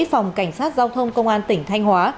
phòng cảnh sát giao thông công an tỉnh thanh hóa